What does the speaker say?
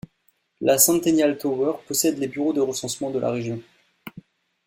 La Centennial Tower possède les bureaux de recensement de la région.